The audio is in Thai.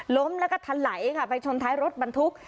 ล้มแล้วก็ทะไหลค่ะไปชนท้ายรถบรรทุก